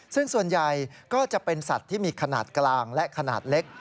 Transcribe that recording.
ซึ่งส่วนใหญ่ก็จะเป็นสัตว์ที่มีขนาดกลางและขนาดเล็ก